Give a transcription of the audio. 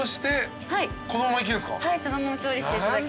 はい